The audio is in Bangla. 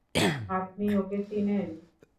আপনি ওকে চিনেন?